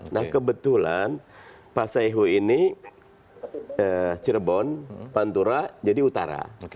nah kebetulan pak saihu ini cirebon pantura jadi utara